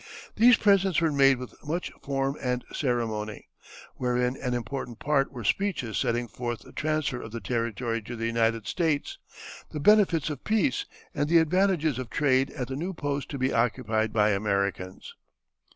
These presents were made with much form and ceremony, wherein an important part were speeches setting forth the transfer of the territory to the United States, the benefits of peace, and the advantages of trade at the new post to be occupied by Americans.